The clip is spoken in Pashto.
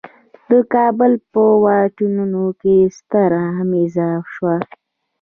د کابل په واټونو کې ستره غمیزه شوه.